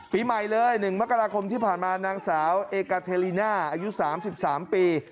ปีใหม่เลย๑มกราคมที่ผ่านมานางสาวเอกาเทลิน่าอายุ๓๓ปี